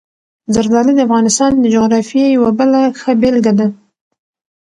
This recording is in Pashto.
زردالو د افغانستان د جغرافیې یوه بله ښه بېلګه ده.